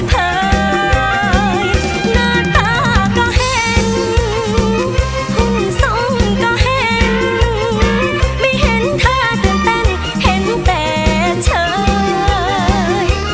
หน้าตาก็เห็นห้องทรงก็เห็นไม่เห็นท่าตื่นเต้นเห็นแต่เฉย